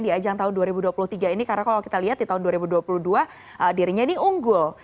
di ajang tahun dua ribu dua puluh tiga ini karena kalau kita lihat di tahun dua ribu dua puluh dua dirinya ini unggul